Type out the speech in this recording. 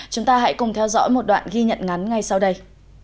chúng ta hãy cùng theo dõi một đoạn ghi nhận ngắn ngay sau đây